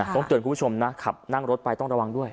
ต้องเตือนคุณผู้ชมนะขับนั่งรถไปต้องระวังด้วย